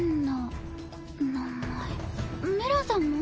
メランさんも？